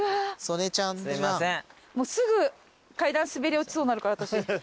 もうすぐ階段滑り落ちそうになるから私。